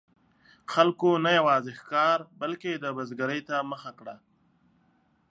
خلکو نه یوازې ښکار، بلکې د بزګرۍ ته مخه کړه.